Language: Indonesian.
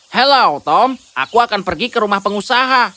halo tom aku akan pergi ke rumah pengusaha